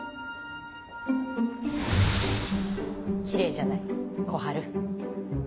きれいじゃない小春